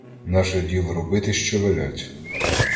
Наше діло робити що велять.